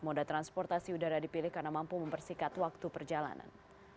moda transportasi udara dipilih karena mampu mempersikat waktu perjalanan